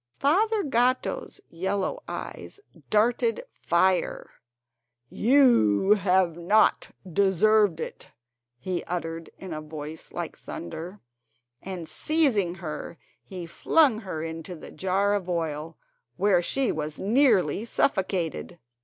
Father Gatto's yellow eyes darted fire. "You have not deserved it," he uttered, in a voice like thunder, and seizing her he flung her into the jar of oil, where she was nearly suffocated.